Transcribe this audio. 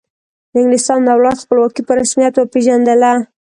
د انګلستان دولت خپلواکي په رسمیت وپیژندله.